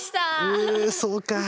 うんそうか。